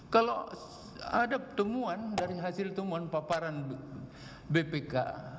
kalau ada temuan dari hasil temuan paparan bpk